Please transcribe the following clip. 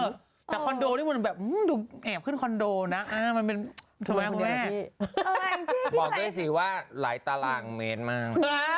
เค้าเข้ามาเข้าประตูแต่คอนโดมันแบบอื้มแอบขึ้นคอนโดนะอ่ามันเป็นโทรแม่พอเก้ห์สิว่าหลายตารางเมตต์มาก